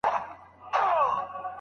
ستا تصويرونه به تر کله په دُسمال کې ساتم